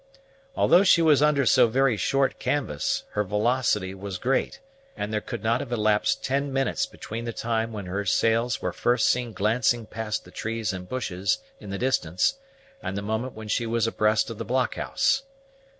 Although she was under so very short canvas, her velocity was great, and there could not have elapsed ten minutes between the time when her sails were first seen glancing past the trees and bushes in the distance and the moment when she was abreast of the blockhouse.